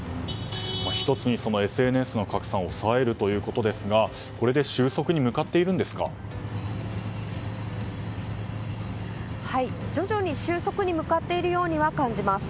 １つに、ＳＮＳの拡散を抑えるということですが、これで徐々に収束に向かっているようには感じます。